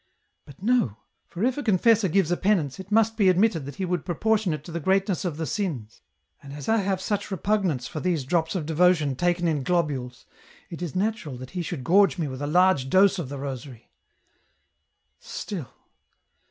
But no ! for if a confessor gives a penance, it must be admitted that he would proportion it to the greatness of the sins. And as T have such repugnance for these drops of devotion taken in globules, it is natural that he should gorge me with a large dose of the rosary !" Still